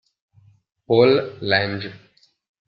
Paul Lange